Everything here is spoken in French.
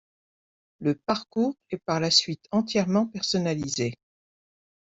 Le parcours est par la suite entièrement personnalisé.